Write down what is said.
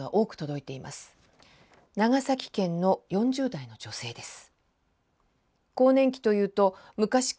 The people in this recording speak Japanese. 長崎県の４０代の女性です。